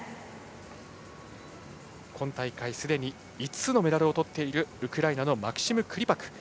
今大会すでに５つのメダルをとっているウクライナのマクシム・クリパク。